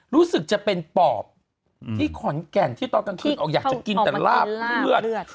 รู้สึกจะเป็นปอบที่ขอนแก่นที่ตอนกลางคืนออกอยากจะกินแต่ลาบเลือด